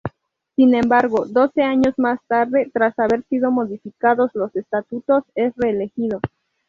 Sin embargo, doce años más tarde, tras haber sido modificados los estatutos, es reelegido.